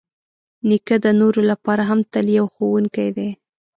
نیکه د نورو لپاره هم تل یو ښوونکی دی.